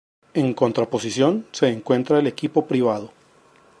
En contraposición se encuentra el equipo privado.